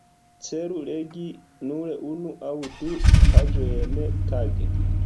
Celu legi nur unu aŭ du paĝojn tage.